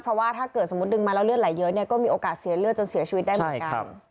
เพราะว่าถ้าเกิดสมมุติดึงมาแล้วเลือดไหลเยอะเนี่ยก็มีโอกาสเสียเลือดจนเสียชีวิตได้เหมือนกัน